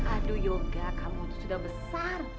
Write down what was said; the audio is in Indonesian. aduh yoga kamu tuh sudah besar